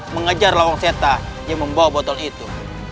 mengejar lawang seta yang membawa botol itu